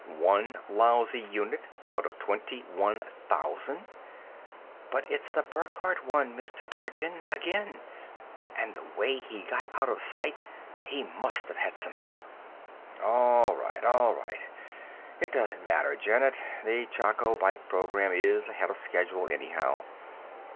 One lousy unit out of twenty one thousand." "But it's the Burckhardt one, Mr. Dorchin. Again. And the way he got out of sight, he must have had some help." "All right, all right. It doesn't matter, Janet; the Choco Bite program is ahead of schedule anyhow.